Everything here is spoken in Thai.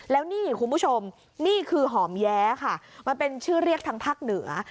แล้วนี่คุณผู้ชมนี่คือหอมแย้ค่ะมันเป็นชื่อเรียกทางภาคเหนือ